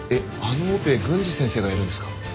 あのオペ郡司先生がやるんですか？